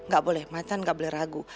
gak boleh macan gak boleh ragu